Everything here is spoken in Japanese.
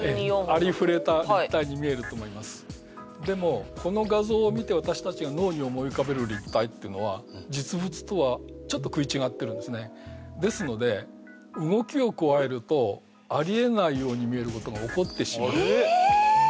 ありふれた立体に見えると思いますでもこの画像を見て私たちが脳に思い浮かべる立体っていうのは実物とはちょっと食い違ってるんですねですので動きを加えるとえっ？ありえないように見えることが起こってしまうえ